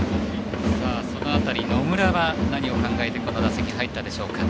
その辺り、野村は何を考えてこの打席に入ったでしょうか。